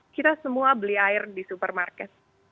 kita semua beli air di supermarket